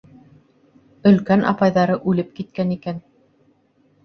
Өлкән апайҙары үлеп киткән икән.